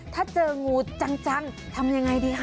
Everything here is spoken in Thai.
ถ้าเจองูจังทำยังไงดีคะ